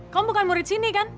kamu bukan murid sini kan